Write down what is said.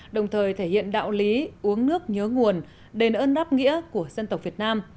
đồng thời thể hiện đạo lý uống nước nhớ nguồn đền ơn đáp nghĩa của dân tộc việt nam